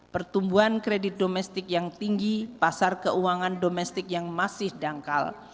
pertumbuhan kredit domestik yang tinggi pasar keuangan domestik yang masih dangkal